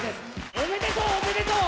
おめでとう、おめでとう。